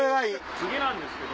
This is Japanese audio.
次なんですけど。